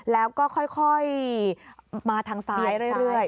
แล้วก็ค่อยมาทางซ้ายเรื่อย